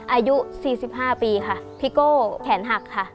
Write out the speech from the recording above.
อายุ๔๕ปีค่ะพี่โก้แขนหักค่ะ